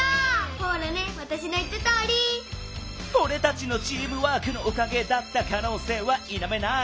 フォレたちのチームワークのおかげだったかのうせいはいなめない！